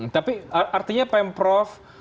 tapi artinya pm prof